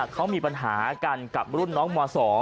เขามีปัญหากันกับรุ่นน้องม๒